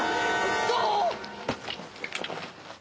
どう⁉◆。